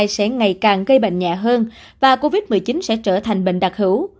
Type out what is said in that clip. sẽ ngày càng gây bệnh nhẹ hơn và covid một mươi chín sẽ trở thành bệnh đặc hữu